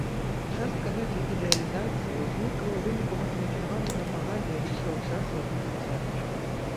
Частка гэтай ідэалізацыі ўзнікла ў выніку мэтанакіраванай прапаганды яшчэ ў час яго жыцця.